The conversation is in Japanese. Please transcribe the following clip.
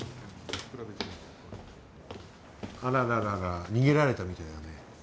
あららら逃げられたみたいだね。